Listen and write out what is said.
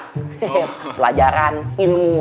hehehe pelajaran ilmu ilmu